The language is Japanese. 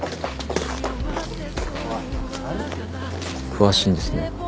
詳しいんですね。